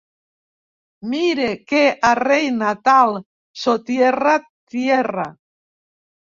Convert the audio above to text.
Mire que a reina tal sotierra tierra.